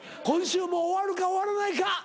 今週も終わるか終わらないか。